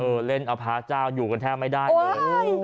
เล่นอพาร์เจ้าอยู่กันแทบไม่ได้เลย